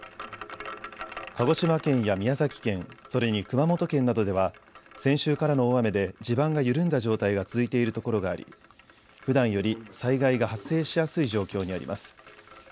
鹿児島県や宮崎県、それに熊本県などでは先週からの大雨で地盤が緩んだ状態が続いているところがありふだんより災害が発生しやすい状況にあります。